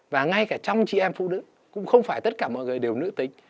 và ngay cả trong chị em phụ nữ cũng không phải tất cả mọi người đều nữ tính